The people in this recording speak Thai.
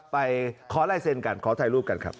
ไปขอไล่เซนกันขอถ่ายรูปกันครับ